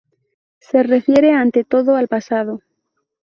Se refiere ante todo al pasado.